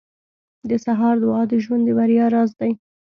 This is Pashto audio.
• د سهار دعا د ژوند د بریا راز دی.